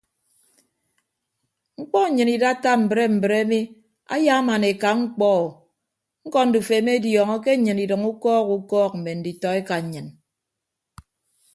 Mkpọ nnyịn idatta mbre mbre mi ayaaman eka mkpọ o ñkọ ndufo emediọñọ ke nnyịn idʌño ukọọk ukọọk mme nditọ eka nnyịn.